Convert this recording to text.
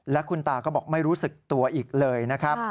และคุณตาก็บอกไม่รู้สึกตัวอีกเลยนะครับ